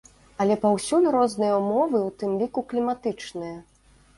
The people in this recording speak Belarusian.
Але паўсюль розныя ўмовы ў тым ліку кліматычныя.